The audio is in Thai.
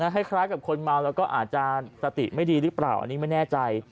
คล้ายกับคนเมาแล้วก็อาจจะสติไม่ดีหรือเปล่าอันนี้ไม่แน่ใจ